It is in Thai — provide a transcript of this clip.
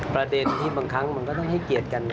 ประเด็นที่บางครั้งมันก็ต้องให้เกียรติกัน